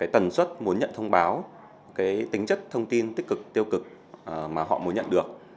tần suất muốn nhận thông báo tính chất thông tin tích cực tiêu cực mà họ muốn nhận được